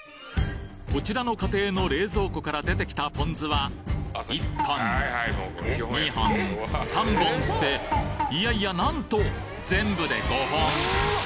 こちらの家庭の冷蔵庫から出てきたポン酢は１本２本３本っていやいやなんと全部で５本！